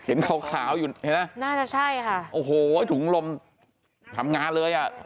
ขาวขาวอยู่เห็นไหมน่าจะใช่ค่ะโอ้โหถุงลมทำงานเลยอ่ะ